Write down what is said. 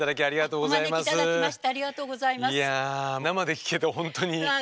ありがとうございます。